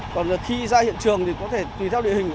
còn khi ra hiện trường thì có thể tùy theo địa hình